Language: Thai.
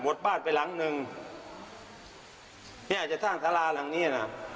หมดบ้านไปหลังหนึ่งนี่อาจจะสร้างทราละครามนี้นะ